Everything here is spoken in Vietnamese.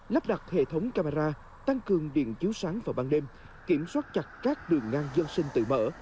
lắp đặt hệ thống camera tăng cường điện chiếu sáng vào ban đêm kiểm soát chặt các đường ngang dân sinh tự mở